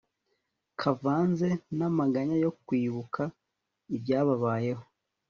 kavanze n'amaganya yo kwibuka ibyababayeho